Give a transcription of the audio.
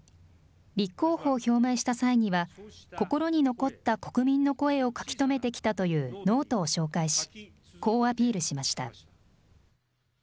立候補を表明した際には、心に残った国民の声を書き留めてきたというノートを紹介し、こうアピールしました。